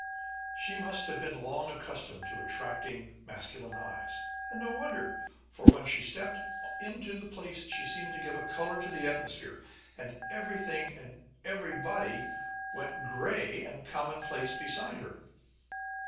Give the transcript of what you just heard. She must have been long accustomed to attracting masculine eyes, and no wonder, for when she stepped into the place she seemed to give a color to the atmosphere, and everything and everybody went grey and commonplace beside her.